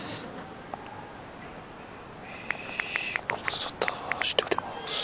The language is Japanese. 「ご無沙汰しております。